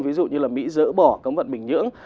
ví dụ như là mỹ dỡ bỏ cấm vận bình nhưỡng